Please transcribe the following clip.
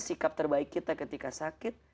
sikap terbaik kita ketika sakit